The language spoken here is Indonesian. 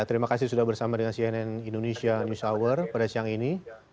terima kasih sudah bersama dengan cnn indonesia news hour pada siang ini